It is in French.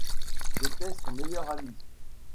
J’étais son meilleur ami.